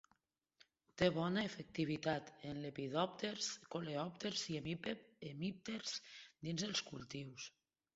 Té bona efectivitat en lepidòpters, coleòpters i hemípters, dins els cultius.